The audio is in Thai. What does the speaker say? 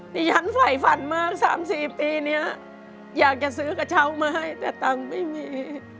ที่ฉันฝ่ายฝันมาก๓๔ปีนี้อยากจะซื้อกระเช้ามาให้แต่ตังค์ไม่มี